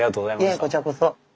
いえこちらこそ。